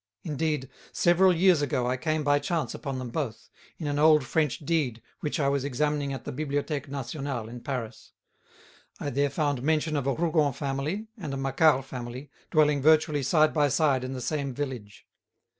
Indeed, several years ago I came by chance upon them both, in an old French deed which I was examining at the Bibliothèque Nationale in Paris. I there found mention of a Rougon family and a Macquart family dwelling virtually side by side in the same village.